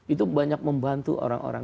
itu banyak membantu orang orang